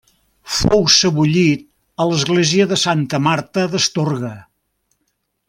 Fou sebollit a l'església de Santa Marta d'Astorga.